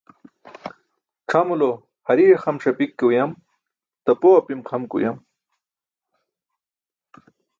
C̣ʰamulo hariye xam ṣapik ke uyam, tapoo apim xam ke uyam.